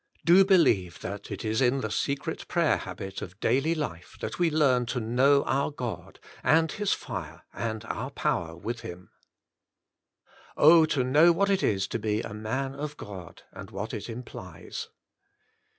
Do believe that it is in the secret prayer habit, of daily life that we learn to know our God, and His fire, and our power with Him. Oh ! to know what it is to be a man of God, and what it implies.